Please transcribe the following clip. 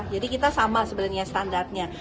jadi kita sama sebenarnya standarnya